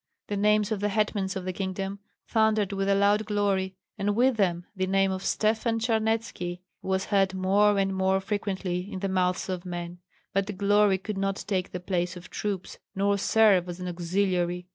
The names of the hetmans of the kingdom thundered with a loud glory, and with them the name of Stefan Charnetski was heard more and more frequently in the mouths of men; but glory could not take the place of troops nor serve as an auxiliary.